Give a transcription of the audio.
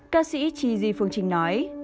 ca sĩ chi di phương trình nói